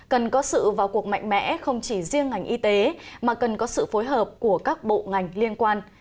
cần có sự vào cuộc mạnh mẽ không chỉ riêng ngành y tế mà cần có sự phối hợp của các bộ ngành liên quan